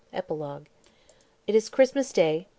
Epilogue It is Christmas day, 186